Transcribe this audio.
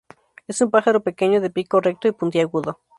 Es un pájaro pequeño de pico recto y puntiagudo.